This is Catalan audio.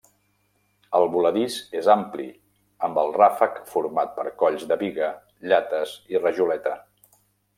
El voladís és ampli, amb el ràfec format per colls de biga, llates i rajoleta.